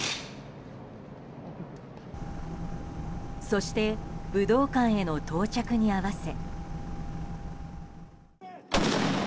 そして武道館への到着に合わせ。